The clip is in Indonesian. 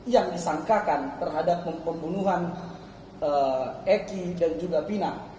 yang disangkakan terhadap pembunuhan eki dan juga pinang